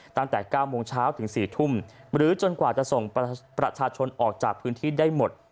ตั้งแต่๙โมงเช้าถึง๔ทุ่มหรือจนกว่าจะส่งประชาชนออกจากพื้นที่ได้หมด